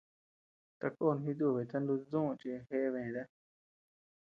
Takon jitubita nutdüu chi jeʼe bëta.